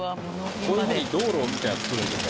こういうふうに道路みたいなのを作るんですね。